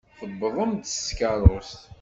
Tewwḍem-d s tkeṛṛust.